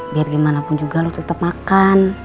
biar gimana pun juga lo tetap makan